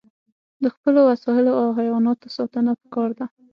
د خپلو وسایلو او حیواناتو ساتنه پکار ده.